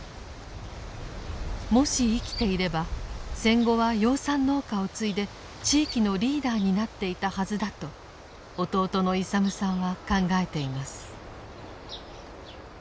もし生きていれば戦後は養蚕農家を継いで地域のリーダーになっていたはずだと弟の勇さんは考えています。